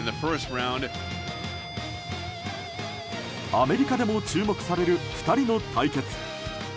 アメリカでも注目される２人の対決。